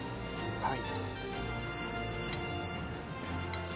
はい。